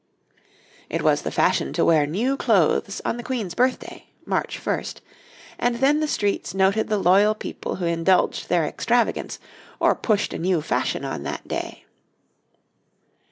It was the fashion to wear new clothes on the Queen's birthday, March 1, and then the streets noted the loyal people who indulged their extravagance or pushed a new fashion on that day.